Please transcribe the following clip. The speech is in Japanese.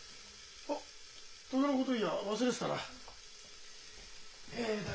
あっトゲのこと言や忘れてたな。